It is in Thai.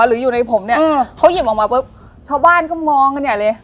หรืออยู่ในผมเนี่ยเขาหยิบออกมาปุ๊บชาวบ้านก็มองกันใหญ่เลย